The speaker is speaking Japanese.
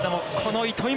この糸井。